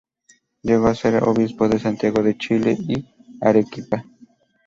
Llegó a ser obispo de Santiago de Chile y Arequipa.